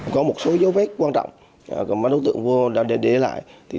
có một số dấu vết quan trọng mà đối tượng vua đã để lại